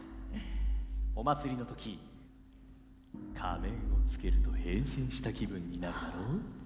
お祭りの時仮面をつけると変身した気分になるだろう。